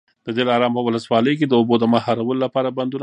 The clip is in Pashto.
د دلارام په ولسوالۍ کي د اوبو د مهارولو لپاره بندونه پکار دي.